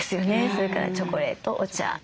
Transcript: それからチョコレートお茶。